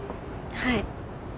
はい。